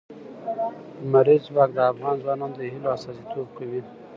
لمریز ځواک د افغان ځوانانو د هیلو استازیتوب کوي.